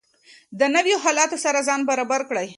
د نویو حالاتو سره ځان برابر کړئ.